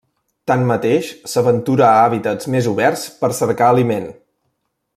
Tanmateix, s'aventura a hàbitats més oberts per cercar aliment.